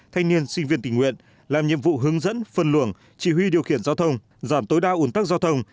thanh niên sinh viên tình nguyện làm nhiệm vụ hướng dẫn phân luồng chỉ huy điều khiển giao thông giảm tối đa ủn tắc giao thông